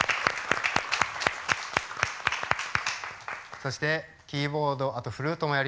そしてキーボードあとフルートもやります